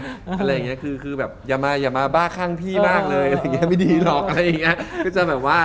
อะไรอย่างนี้คืออย่ามาบ้าข้างพี่มากเลยไม่ดีหรอกอะไรอย่างนี้